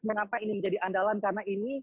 kenapa ini menjadi andalan karena ini